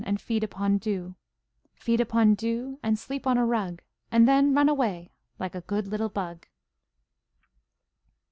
And feed upon dew; Feed upon dew And sleep on a rug, And then run away Like a good little bug.